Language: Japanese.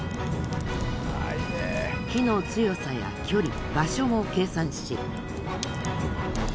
火の強さや距離場所も計算し。